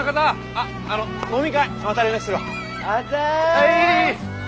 はい！